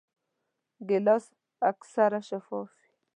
ګیلاس اکثره شفاف وي.